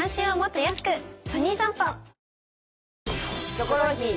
『キョコロヒー』